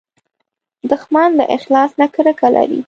دښمن له اخلاص نه کرکه لري